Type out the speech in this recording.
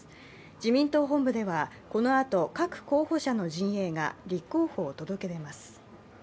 自民党本部ではこのあと各候補者の陣営が立候補を届け出ます。